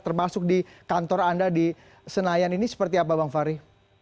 termasuk di kantor anda di senayan ini seperti apa bang fahri